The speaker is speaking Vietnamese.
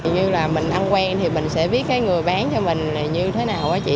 như là mình ăn quen thì mình sẽ biết cái người bán cho mình này như thế nào quá chị